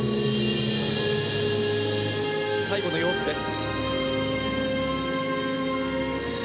最後の要素です。